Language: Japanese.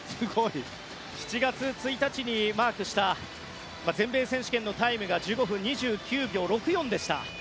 ７月１日にマークした全米選手権のタイムが１５分２９秒６４でした。